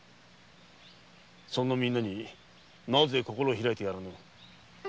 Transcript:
そんなみんなになぜ心を開かぬ。